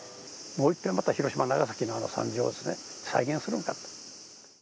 もういっぺん、また広島、長崎の惨状を再現するんかと。